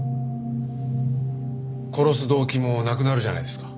殺す動機もなくなるじゃないですか。